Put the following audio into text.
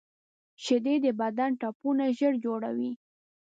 شیدې د بدن ټپونه ژر جوړوي